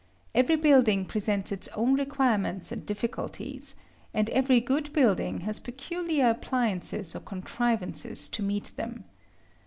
Every building presents its own requirements and difficulties; and every good building has peculiar appliances or contrivances to meet them.